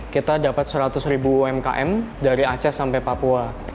kita dapat seratus ribu umkm dari aceh sampai papua